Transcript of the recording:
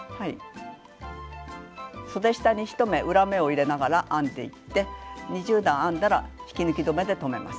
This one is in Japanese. そで下に１目裏目を入れながら編んでいって２０段編んだら引き抜き止めでとめます。